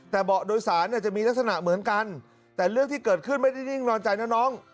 แต่เบาะโดยสารเนี่ยจะมีลักษณะเหมือนกันแต่เรื่องที่เกิดขึ้นไม่ได้นิ่งนอนใจนะน้อง